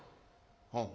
「はあ。